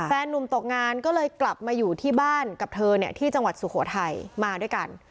นุ่มตกงานก็เลยกลับมาอยู่ที่บ้านกับเธอเนี่ยที่จังหวัดสุโขทัยมาด้วยกัน